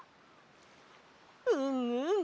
うんうん。